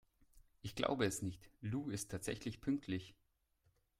Ich glaube es nicht, Lou ist tatsächlich pünktlich!